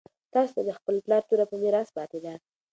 تاسو ته د خپل پلار توره په میراث پاتې ده.